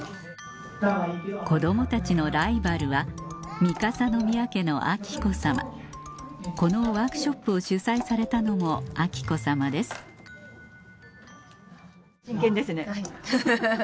子供たちのライバルはこのワークショップを主催されたのも彬子さまです・真剣ですね・はいハハハ。